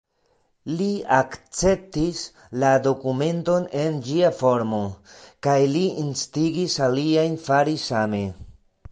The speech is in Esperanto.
Li akceptis la dokumenton en ĝia formo, kaj li instigis aliajn fari same.